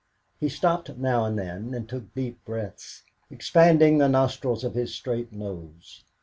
He stopped now and then, and took deep breaths, expanding the nostrils of his straight nose.